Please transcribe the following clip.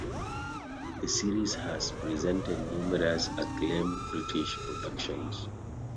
The series has presented numerous acclaimed British productions.